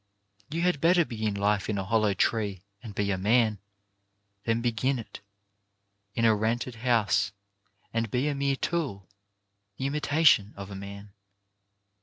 You had better begin life in a hollow tree and be a man, than begin it in a rented house and be a mere tool, the imita tion of a man.